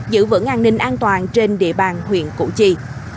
giữ vững an ninh an toàn trên địa bàn huyện củ chi